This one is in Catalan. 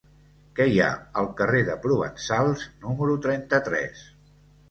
Què hi ha al carrer de Provençals número trenta-tres?